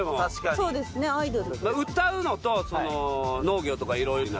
そうですねアイドル。